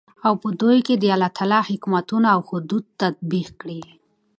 او په دوى كې دالله تعالى حكمونه او حدود تطبيق كړي .